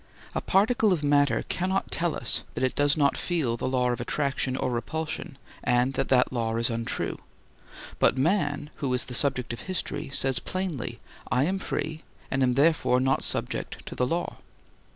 A particle of matter cannot tell us that it does not feel the law of attraction or repulsion and that that law is untrue, but man, who is the subject of history, says plainly: I am free and am therefore not subject to the law.